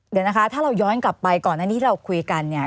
เดี๋ยวนะคะถ้าเราย้อนกลับไปก่อนอันนี้เราคุยกันเนี่ย